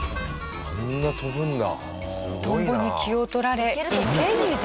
あんな跳ぶんだ。